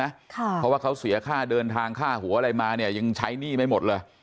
เพราะว่าเขาเสียค่าเดินทางค่าหัวอะไรมาเนี่ยยังใช้หนี้ไม่หมดเลย